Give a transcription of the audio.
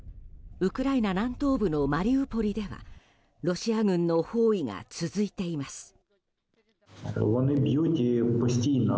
ウクライナ南東部のマリウポリではロシア軍の包囲が続いています。